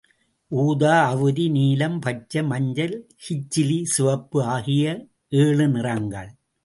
ஊதா, அவுரி, நீலம், பச்சை, மஞ்சள், கிச்சிலி, சிவப்பு ஆகிய ஏழு நிறங்கள்.